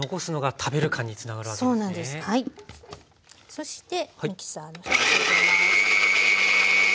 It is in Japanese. そしてミキサーのスイッチを入れます。